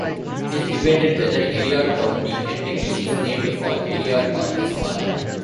It is debated whether Elliott County, Kentucky is named for Elliott or his father.